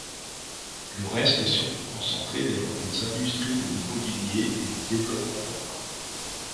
Le reste est surtout concentré dans les industries de l'immobilier et du développement urbain.